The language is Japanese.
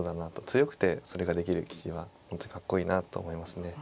強くてそれができる棋士は本当に格好いいなと思いますね。